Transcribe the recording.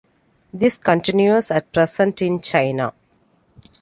This continues at present in China.